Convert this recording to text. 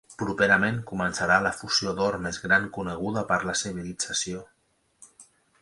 Properament començarà l'efusió d'or més gran coneguda per la civilització.